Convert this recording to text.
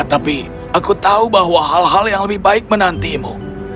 tapi aku tahu bahwa hal hal yang lebih baik menantimu